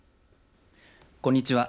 こんにちは。